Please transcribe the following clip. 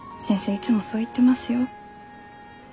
いつもそう言ってますよ？